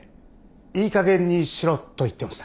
「いいかげんにしろ」と言ってました。